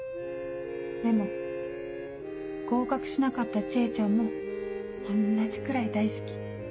でも合格しなかった知恵ちゃんも同じくらい大好き。